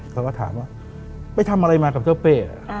เขาก็ถามว่าไปทำอะไรมากับเจ้าเป้